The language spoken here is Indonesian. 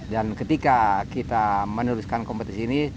dan ketika kita meneruskan kompetisi ini